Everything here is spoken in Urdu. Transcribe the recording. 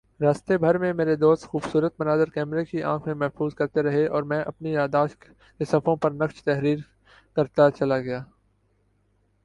راستے بھر میں میرے دوست خوبصورت مناظر کیمرے کی آنکھ میں محفوظ کرتے رہے اور میں اپنی یادداشت کے صفحوں پر نقش تحریر کرتاچلا گیا